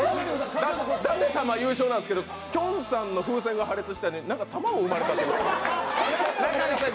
舘様優勝なんですけどきょんさんの風船が破裂して卵がうまれたということで。